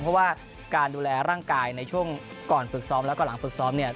เพราะว่าการดูแลร่างกายในช่วงก่อนฝึกซ้อมแล้วก็หลังฝึกซ้อมเนี่ย